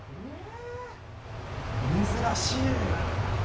珍しい！